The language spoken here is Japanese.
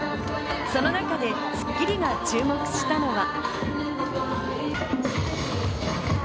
その中で『スッキリ』が注目したのは。